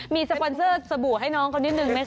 มีศปัญเซอร์สบู่ให้น้องก่อนิดหนึ่งไหมคะ